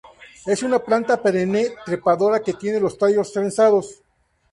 Es una planta perenne trepadora que tiene los tallos trenzados.